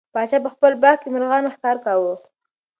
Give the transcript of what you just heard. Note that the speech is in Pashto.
پاچا په خپل باغ کې د مرغانو ښکار کاوه.